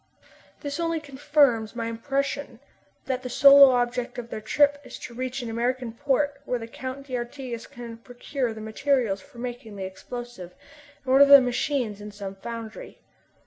This only confirms my impression that the sole object of their trip is to reach an American port where the Count d'Artigas can procure the materials for making the explosive, and order the machines in some foundry.